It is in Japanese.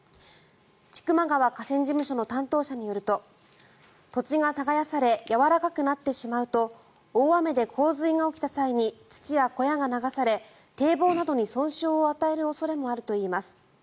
千曲川河川事務所の担当者によると土地が耕されやわらかくなってしまうと大雨で洪水が起きた際に土や小屋が流され堤防などに損傷を与える恐れもあるといいます。